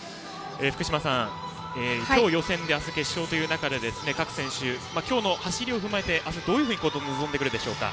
福島さん、今日が予選で明日が決勝という中で各選手、今日の走りを踏まえて明日、どういうふうに臨んでくるでしょうか。